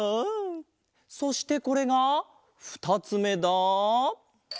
そしてこれがふたつめだ。